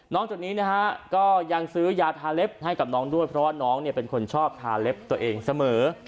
จากนี้นะฮะก็ยังซื้อยาทาเล็บให้กับน้องด้วยเพราะว่าน้องเนี่ยเป็นคนชอบทาเล็บตัวเองเสมอ